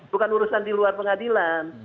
bukan urusan di luar pengadilan